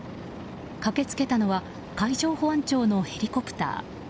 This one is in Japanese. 駆け付けたのは海上保安庁のヘリコプター。